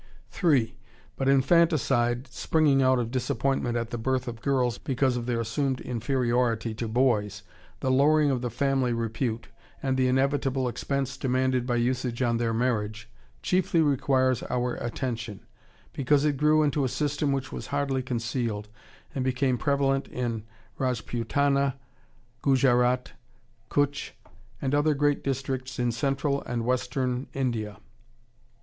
3. But infanticide, springing out of disappointment at the birth of girls, because of their assumed inferiority to boys, the lowering of the family repute, and the inevitable expense demanded by usage on their marriage, chiefly requires our attention; because it grew into a system which was hardly concealed, and became prevalent in Rajputana, Gujarat, Cutch, and other great districts in Central and Western India....